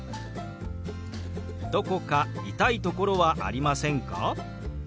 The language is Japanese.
「どこか痛いところはありませんか？」。